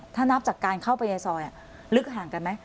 ถ้านับจากการเข้าไปในซอยลึกห่างกันไหม